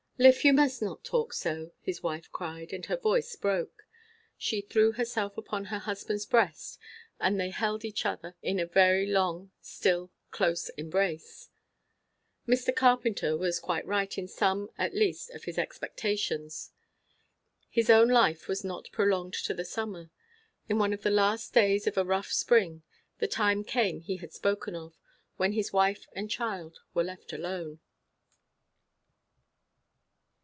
"Liph, you must not talk so!" his wife cried; and her voice broke. She threw herself upon her husband's breast, and they held each other in a very long, still, close embrace. Mr. Carpenter was quite right in some at least of his expectations. His own life was not prolonged to the summer. In one of the last days of a rough spring, the time came he had spoken of, when his wife and child were left alone.